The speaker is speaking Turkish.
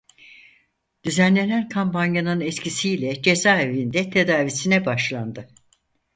Düzenlenen kampanyanın etkisi ile cezaevinde tedavisine başlandı.